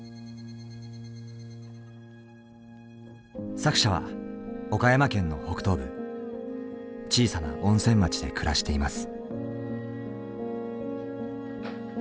作者は岡山県の北東部小さな温泉町で暮らしています。